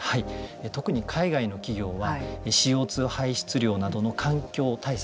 特に海外の企業はＣＯ２排出量などの環境対策